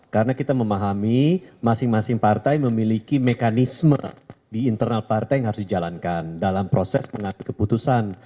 karena kita memahami masing masing partai memiliki mekanisme di internal partai yang harus dijalankan dalam proses pengambil keputusan